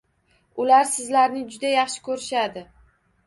Ular sizlarni juda yaxshi ko’rishadi..